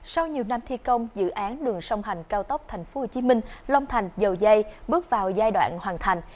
sau nhiều năm thi công dự án đường sông hành cao tốc tp hcm long thành dầu dây bước vào giai đoạn hoàn thành